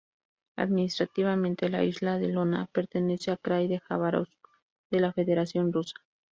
Administrativamente la isla de Iona pertenece al krai de Jabárovsk de la Federación Rusa.